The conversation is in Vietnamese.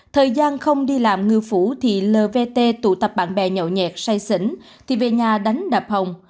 thời gian không đi làm ngư phủ thì lv t tụ tập bạn bè nhậu nhẹt say xỉn thì về nhà đánh đập hồng